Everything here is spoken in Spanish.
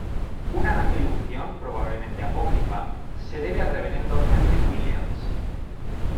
Una atribución, probablemente apócrifa, se debe al reverendo Henry Williams.